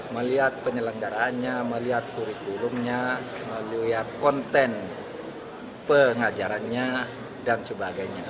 melihat penyelenggaraannya melihat kurikulumnya melihat konten pengajarannya dan sebagainya